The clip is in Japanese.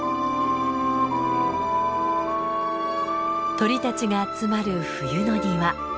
鳥たちが集まる冬の庭。